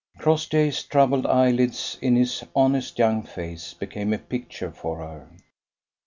Crossjay's troubled eyelids in his honest young face became a picture for her.